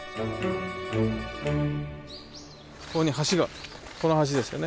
ここに橋がこの橋ですよね。